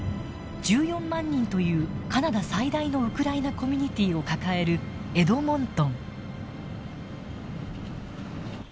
１４万人というカナダ最大のウクライナコミュニティーを抱えるエドモントン。